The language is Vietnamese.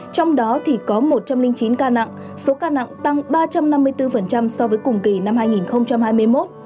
trong đó thì có một trăm linh chín ca nặng số ca nặng tăng ba trăm năm mươi bốn so với cùng kỳ năm hai nghìn hai mươi một